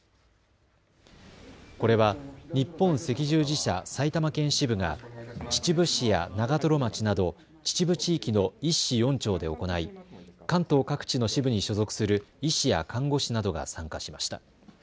これは日本赤十字社埼玉県支部が秩父市や長瀞町など秩父地域の１市４町で行い関東各地の支部に所属する医師や看護師などが参加しました。